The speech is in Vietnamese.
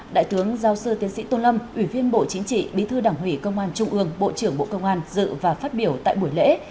đại tướng giáo sư tiến sĩ tô lâm ủy viên bộ chính trị bí thư đảng ủy công an trung ương bộ trưởng bộ công an dự và phát biểu tại buổi lễ